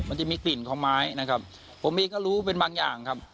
มันจะมีกลิ่นของไม้นะครับผมเองก็รู้เป็นบางอย่างครับ